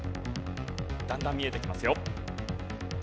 だんだん見えてきますよ。